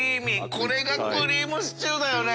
これがクリームシチューだよね。